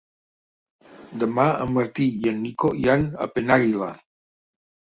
Demà en Martí i en Nico iran a Penàguila.